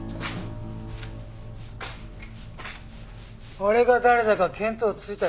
俺が誰だか見当ついたようだな。